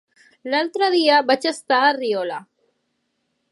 L'altre dia vaig estar a Riola.